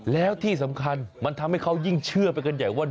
แล้วที่สำคัญมันทำให้เขายิ่งเชื่อไปกันใหญ่ว่า